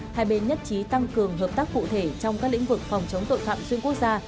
hai bên nhất trí tăng cường hợp tác cụ thể trong các lĩnh vực phòng chống tội phạm xuyên quốc gia